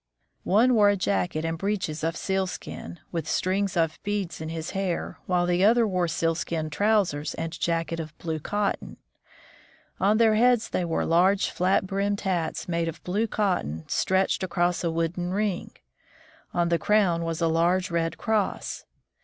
One wore a jacket and breeches of sealskin, with strings of beads in his hair, while the other piUK A Group of Greenland Eskimos, After photograph by Nansen. wore sealskin trousers and a jacket of blue cotton. On their heads they wore large flat brimmed hats, made of blue cotton stretched across a wooden ring. On the crown was a large red cross.